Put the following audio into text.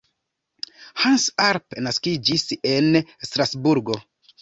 Hans Arp naskiĝis en Strasburgo.